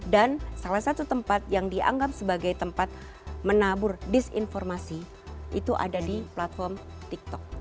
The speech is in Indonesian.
dan salah satu tempat yang dianggap sebagai tempat menabur disinformasi itu ada di platform tiktok